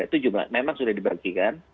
itu memang sudah dibagi kan